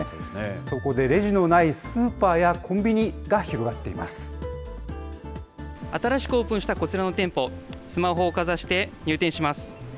そこでレジのないスーパーやコン新しくオープンしたこちらの店舗、スマホをかざして、入店します。